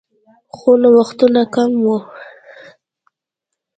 خو نوښتونه کم وو